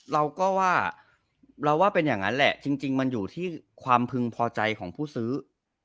เราก็ว่าเราว่าเป็นอย่างนั้นแหละจริงมันอยู่ที่ความพึงพอใจของผู้ซื้อ